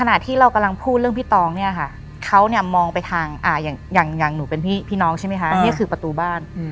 นี่คือประตูบ้าน